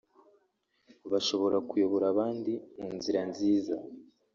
bashobora kuyobora abandi mu nzira nziza